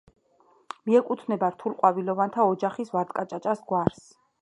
მიეკუთვნება რთულყვავილოვანთა ოჯახის ვარდკაჭაჭას გვარს.